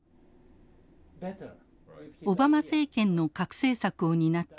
オバマ政権の核政策を担った